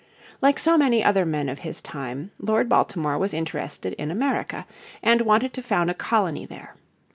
Like so many other men of his time Lord Baltimore was interested in America, and wanted to found a colony there.